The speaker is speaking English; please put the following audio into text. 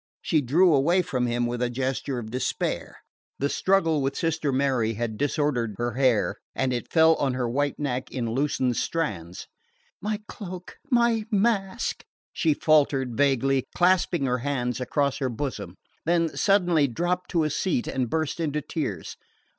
She drew away from him with a gesture of despair. The struggle with Sister Mary had disordered her hair and it fell on her white neck in loosened strands. "My cloak my mask " she faltered vaguely, clasping her hands across her bosom; then suddenly dropped to a seat and burst into tears.